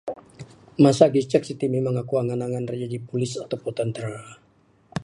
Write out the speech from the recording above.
Masa lagi icek siti memang aku angan angan ra jaji polis ato pun tentera.